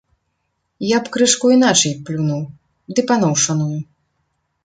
Я б крышку іначай плюнуў, ды паноў шаную.